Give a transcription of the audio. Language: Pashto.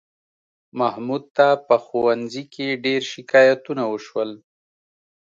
محمود ته په ښوونځي کې ډېر شکایتونه وشول